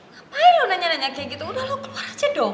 ngapain loh nanya nanya kayak gitu udah lo keluar aja dong